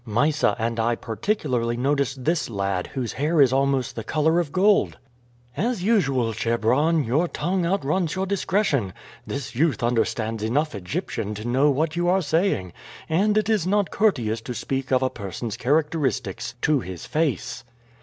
Mysa and I particularly noticed this lad, whose hair is almost the color of gold." "As usual, Chebron, your tongue outruns your discretion. This youth understands enough Egyptian to know what you are saying, and it is not courteous to speak of a person's characteristics to his face."